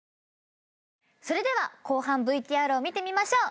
それでは後半ＶＴＲを見てみましょう。